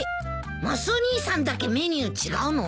マスオ兄さんだけメニュー違うの？